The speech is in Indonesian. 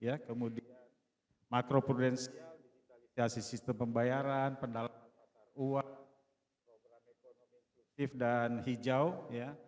ya kemudian makro prudensial digitalisasi sistem pembayaran pendalaman uang kredit kredit positif dan hijau ya